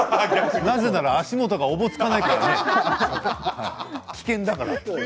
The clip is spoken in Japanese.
なぜなら足元がおぼつかなくて危険だから。